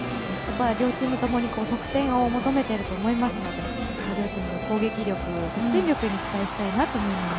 両チームともに得点を求めていると思いますので、両チームの攻撃力、得点力に期待したいなって思います。